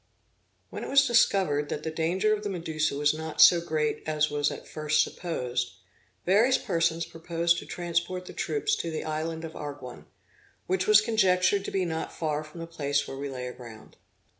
When it was discovered that the danger of the Medusa was not so great as was at first supposed, various persons proposed to transport the troops to the island of Arguin, which was conjectured to be not far from the place where we lay aground.